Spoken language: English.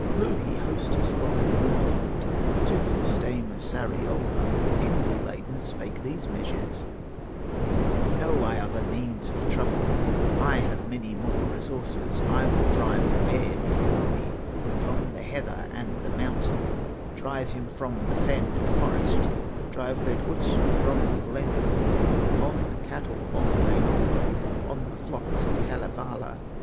Louhi, hostess of the Northland, Toothless dame of Sariola, Envy laden, spake these measures: "Know I other means of trouble, I have many more resources; I will drive the bear before me, From the heather and the mountain, Drive him from the fen and forest, Drive great Otso from the glen wood On the cattle of Wainola, On the flocks of Kalevala."